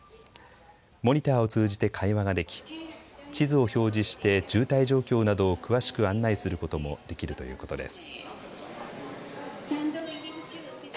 モニターを通じて会話ができ地図を表示して渋滞状況などを詳しく案内することもできるということです。